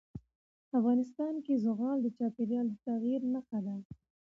افغانستان کې زغال د چاپېریال د تغیر نښه ده.